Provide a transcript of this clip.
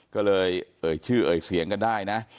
ก็เลยเอ่ยชื่อเอ่ยเสียงกันได้นะ